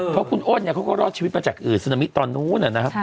เพราะคุณอ้นเนี่ยเขาก็รอดชีวิตมาจากซึนามิตอนนู้นนะครับ